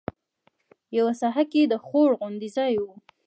یوه ساحه کې د خوړ غوندې ځای و.